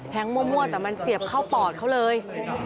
มั่วแต่มันเสียบเข้าปอดเขาเลย